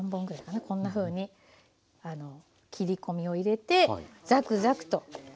こんなふうに切り込みを入れてザクザクと。